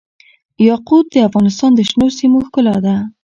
یاقوت د افغانستان د شنو سیمو ښکلا ده.